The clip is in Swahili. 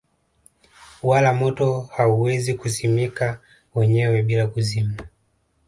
Wala moto hauwezi kuzimika wenyewe bila kuzimwa